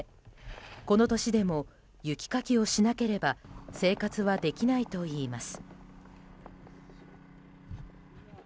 この年でも雪かきをしなければ生活はできないといいます。